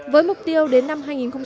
với mục tiêu đến năm hai nghìn hai mươi